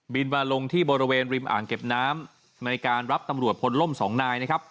มาลงที่บริเวณริมอ่างเก็บน้ำในการรับตำรวจพลล่มสองนายนะครับ